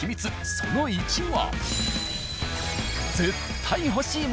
その１は。